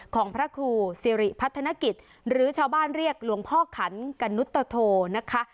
ของพระครูสิริพัฒนกิจหรือชาวบ้านเรียกหลวงพ่อขันกนุตโทนะคะ